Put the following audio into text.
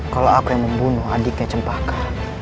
kalau apa yang membunuh adiknya cempaka